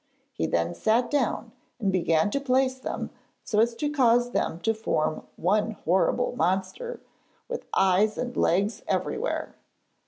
He then sat down and began to place them so as to cause them to form one horrible monster, with eyes and legs everywhere.